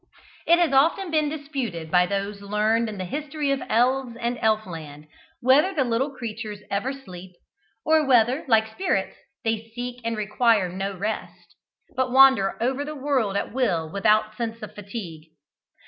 It has often been disputed, by those learned in the history of elves and Elf land, whether the little creatures ever sleep, or whether, like spirits, they seek and require no rest, but wander over the world at will without sense of fatigue.